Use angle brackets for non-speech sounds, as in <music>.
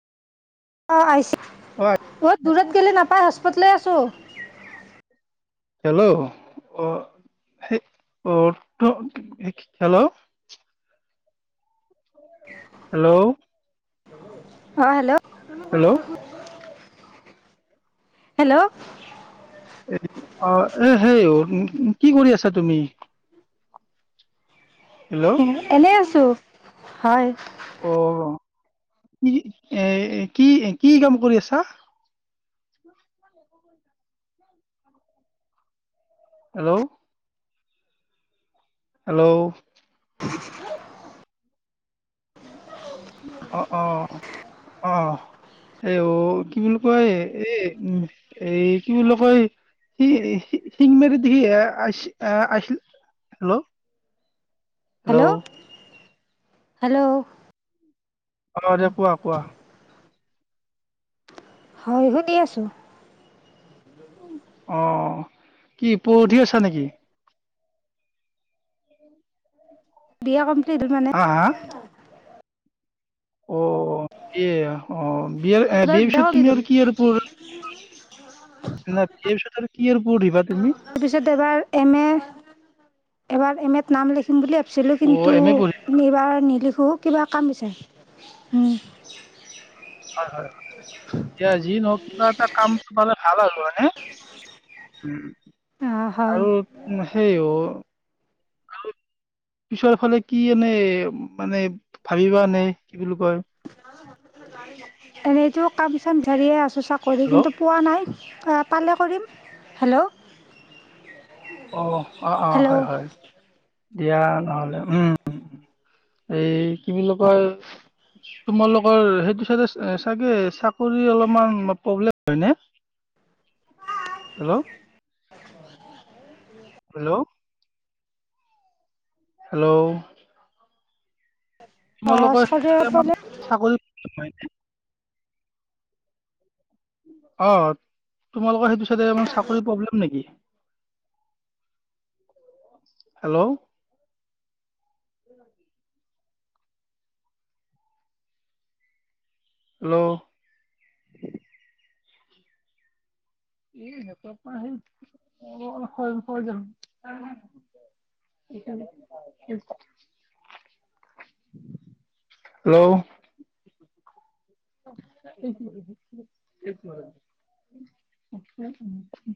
অ', আহিছে। অ ঐ দূৰত গ'লে নাপায়, হস্পত লৈ আছোঁ। হেল্ল'? অ', অ', হেল্ল'? হেল্ল'? অ', হেল্ল'? হেল্ল' হেল্ল' অ', এ, হ <unintelligible> কি কৰি আছা তুমি? হেল্ল'? এনেই আছোঁ। হয়। অ', কি এ, কি কি কাম কৰি আছা? হেল্ল'? হেল্ল'? <inaudible> অ', অ'। অ'। এ অ' কি বুলি কয়, এই এ, এই কি বুলি কয় <inaudible> হেল্ল'? হেল্ল'? অ', <unintelligible> কোৱা, কোৱা। হয়, শুনি আছোঁ। অ', কি পঢ়ি আছা নেকি? বি এ কমপ্লিট হ'ল মানে। হা', হা'? অ', বি এ। অ', বি এ এ, বি এইবাৰ এ পাছত কমপ্লিট তুমি হ'ল আৰু কি আৰু পঢ় <inaudible> নাই, বি এ পিছত আৰু কি আৰু পঢ়িবা তুমি? তাৰপিছত এইবাৰ এম এ, এইবাৰ এম এত নাম লিখিম বুলি ভাবিছিলোঁ। অ কিন্তু এম এ পঢ়িবা আমি এইবাৰ নিলিখোঁ, কিবা কাম বিচাৰিম। উম। হয়, হয়। এয়া যি নহক কিবা এটা কাম পালে ভাল আৰু হয়নে? উম, অ হয় আৰু সেইও পিছৰফালে কি এনে, মানে ভাবিবা নে কি বুলি কয়? এনেইতো কাম-চাম ধৰিয়ে আছোঁ চাকৰি, হেল্ল' কিন্তু পোৱা নাই, পালে কৰিম। হেল্ল'! অ', অ'অ', হেল্ল' হয় হয়। দিয়া নহ'লে উম্ এই, কি বুলি কয়। তোমালোকৰ সেইটো চাইদে এ চাগে, চাক চাকৰি অলপমান প্ৰব্লেম হয়নে? হেল্ল'! হেল্ল'! হেল্ল'! অ তোমালোকৰ সেইফালে চাকৰি চাকৰি-বাকৰি নাইনে? অ', তোমালোকৰ সেইটো চাইডে অকনমান চাকৰিৰ প্ৰব্লেম নেকি? হেল্ল'! হেল্ল'! এই সিহঁতৰ পৰা আহি মোৰো সেইকাৰণে, উম্। হেল্ল'! <inaudible> <inaudible>